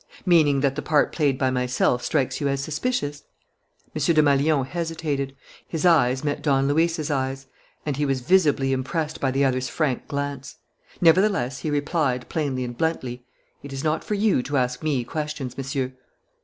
"Meaning that the part played by myself strikes you as suspicious?" M. Desmalions hesitated. His eyes met Don Luis's eyes; and he was visibly impressed by the other's frank glance. Nevertheless he replied, plainly and bluntly: "It is not for you to ask me questions, Monsieur."